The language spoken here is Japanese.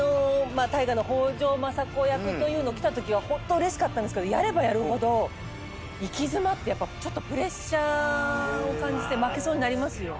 大河の北条政子役というのきたときはホントうれしかったんですけどやればやるほど行き詰まってやっぱちょっとプレッシャーを感じて負けそうになりますよ。